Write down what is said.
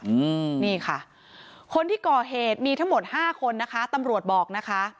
อืมนี่ค่ะคนที่ก่อเหตุมีทั้งหมดห้าคนนะคะตำรวจบอกนะคะ